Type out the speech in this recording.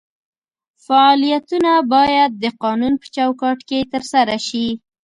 فعالیتونه باید د قانون په چوکاټ کې ترسره شي.